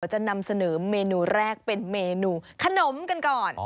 จะนำเสนอเมนูแรกเป็นเมนูขนมกันก่อน